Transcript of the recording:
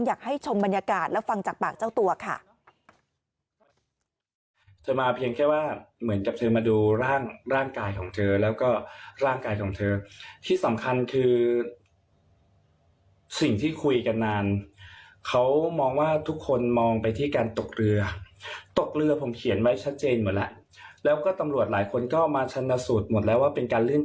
อยากให้ชมบรรยากาศแล้วฟังจากปากเจ้าตัวค่ะ